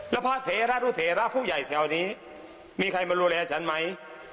แล้วพระเถระรุเถระผู้ใหญ่แถวนี้มีใครมาดูแลฉันไหม